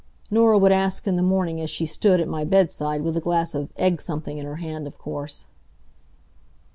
Norah would ask in the morning as she stood at my bedside (with a glass of egg something in her hand, of course).